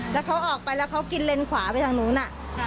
แล้วเขาออกไปแล้วเขากินเลนขวาไปทางนู้นน่ะ